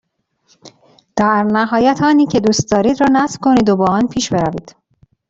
در نهایت آنی که دوست دارید را نصب کنید و با آن پیش بروید.